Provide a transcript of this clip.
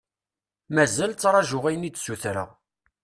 Mazal ttraǧuɣ ayen i d-sutreɣ.